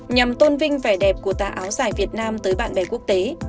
nhằm tôn vinh vẻ đẹp của ta áo sải việt nam tới bạn bè quốc tế